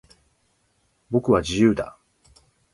僕は、自由だ。